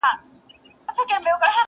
یانې مرګ پسې مې ټول جهان را ووت .